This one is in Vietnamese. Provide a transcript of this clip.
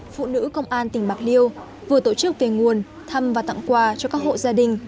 phụ nữ công an tỉnh bạc liêu vừa tổ chức về nguồn thăm và tặng quà cho các hộ gia đình